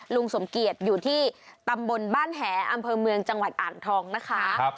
ลุงสมเกียจอยู่ที่ตำบลบ้านแหอำเภอเมืองจังหวัดอ่างทองนะคะ